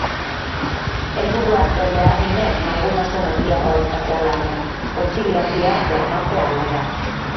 Helburua zen beharginek malgutasun handiagoa izatea lanean, kontziliazioa bermatze aldera.